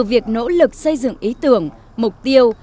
việc nỗ lực xây dựng ý tưởng mục tiêu